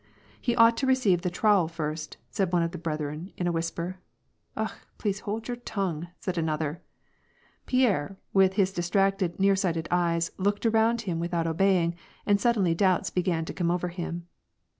'^ He ought to receive the trowel first/' said one of the breth ren, in a whisper. " Akh ! please hold your tongue," said another. Pierre, with his distracted, nearsighted eyes, looked around him without obeying, and suddenly doubts began to come over him.